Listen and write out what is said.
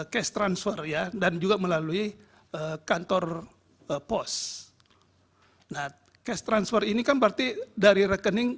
cash transfer ya dan juga melalui kantor pos nah cash transfer ini kan berarti dari rekening